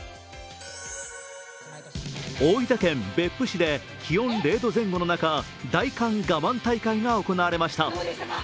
大分県別府市で気温０度前後の中大寒がまん大会が行われますか。